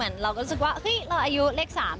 แม่นเป็นแล้ว